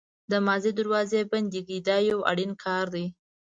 د ماضي دروازې بندې کړئ دا یو اړین کار دی.